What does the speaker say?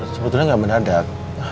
sebetulnya gak menadak